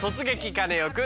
カネオくん」。